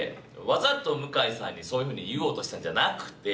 わざと向さんにそういう風に言おうとしたんじゃなくて。